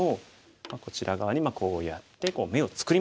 こちら側にこうやって眼を作りました。